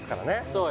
そう